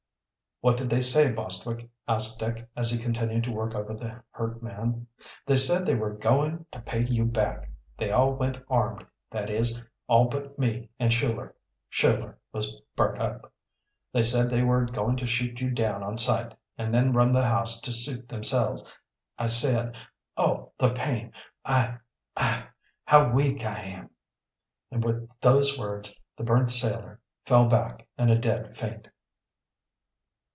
"What did they say, Bostwick?" asked Dick, as he continued to work over the hurt man. "They said they were going to pay you back. They all went armed; that is, all but me and Shular. Shular was burnt up. They said they were going to shoot you down on sight, and then run the house to suit themselves. I said oh, the pain. I I how weak I am!" And with those words the burnt sailor fell back in a dead faint.